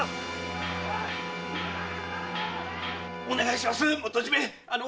お願いします元締。